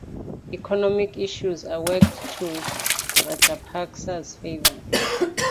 Economic issues also worked to Rajapaksa's favour.